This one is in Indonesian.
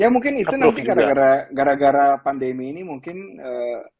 ya mungkin itu nanti gara gara pandemi ini mungkin